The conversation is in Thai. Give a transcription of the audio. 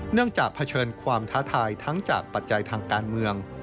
จากเผชิญความท้าทายทั้งจากปัจจัยทางการเมือง